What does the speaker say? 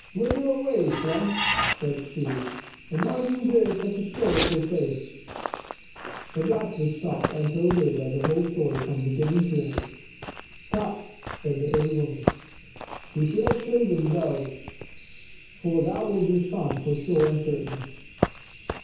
" Whither away, friend ?" said she, " and why do you wear such a sorrow ful face?" The blacksmith stopped and told her the whole story from beginning to end. " Tut !" said the old woman, " you should have chosen the dove, foi that was your son for sure and certain."